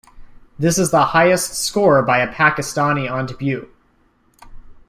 This is the highest score by a Pakistani on debut.